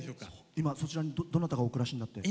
今、そちらにどなたがご暮らしになってる？